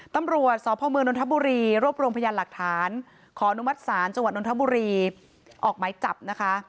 ตำรวจสพเมืองนทบุรีรวบรวมพยานหลักฐานขออนุมัติศาลจังหวัดนทบุรีออกหมายจับนะคะ